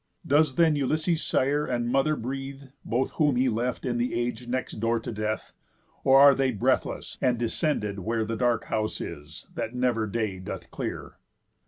Does then Ulysses' sire, and mother, breathe, Both whom he left in th' age next door to death? Or are they breathless, and descended where The dark house is, that never day doth clear?"